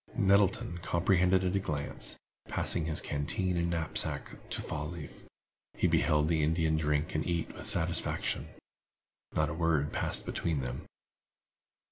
Nettleton comprehended all at a glance. Passing his canteen and knapsack to Fall leaf, he beheld the Indian drink and eat with satisfaction. Not a word passed between them.